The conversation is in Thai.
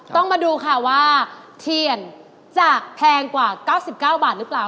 ต้องมาดูค่ะว่าเทียนจะแพงกว่า๙๙บาทหรือเปล่า